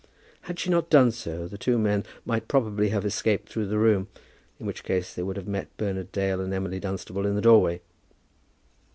Had she not done so, the two men might probably have escaped through the room, in which case they would have met Bernard Dale and Emily Dunstable in the doorway.